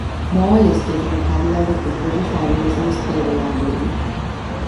More are listed in the catalogue of the British Library's Newspaper Library.